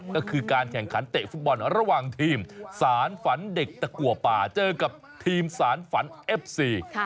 ก็คือการแข่งขันเตะฟุตบอลระหว่างทีมสารฝันเด็กตะกัวป่าเจอกับทีมสารฝันเอฟซี